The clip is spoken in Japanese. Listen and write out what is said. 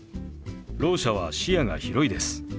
ろう者は視野が広いです。